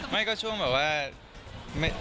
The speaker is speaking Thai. ไม่ก็ช่วงแบบว่า